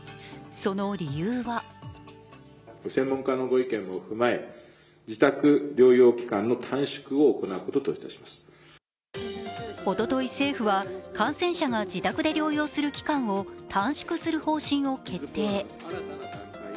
その理由はおととい政府は、感染者が自宅で療養する期間を短縮する方針を決定。